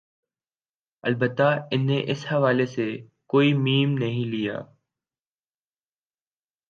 البتہ ان نے اس حوالہ سے کوئی م نہیں لیا